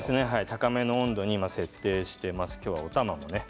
高めに設定しています。